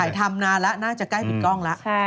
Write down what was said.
ถ่ายทำนานละน่าจะใกล้ปิดกล้องละ